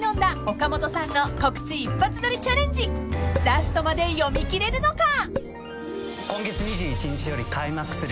［ラストまで読みきれるのか］